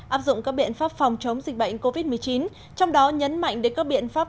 áp dụng các biện pháp phòng chống dịch bệnh covid một mươi chín trong đó nhấn mạnh đến các biện pháp